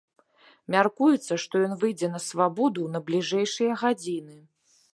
Мяркуецца, што ён выйдзе на свабоду ў найбліжэйшыя гадзіны.